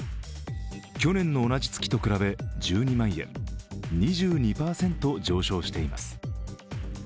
去年の同じ月と比べ１２万円２２％上昇しています。